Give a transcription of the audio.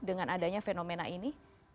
dengan adanya fenomena ini